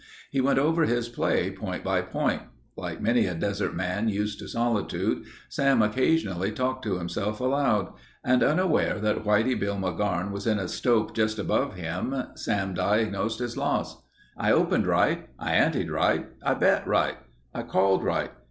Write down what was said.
He went over his play point by point. Like many a desert man used to solitude, Sam occasionally talked to himself aloud, And unaware that Whitey Bill McGarn was in a stope just above him, Sam diagnosed his loss: "I opened right. I anted right. I bet right. I called right.